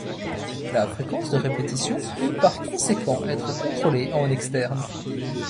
La fréquence de répétition peut par conséquent être contrôlée en externe.